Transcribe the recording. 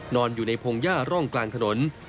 นอนอยู่ในพงหญ้าร่องกลางถนน